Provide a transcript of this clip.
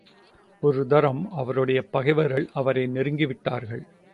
ஒரு தரம், அவருடைய பகைவர்கள் அவரை நெருங்கி விட்டார்கள்.